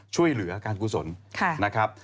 ช่วยเหลือการกุศลนะครับ